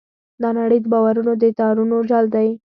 دا نړۍ د باورونو د تارونو جال دی.